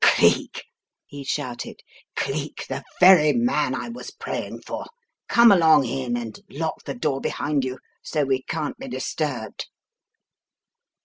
"Cleek!" he shouted. "Cleek, the very man I was praying for! Come along in and lock the door behind you so we can't be disturbed."